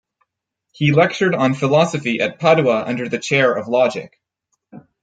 He lectured on philosophy at Padua, under the Chair of Logic.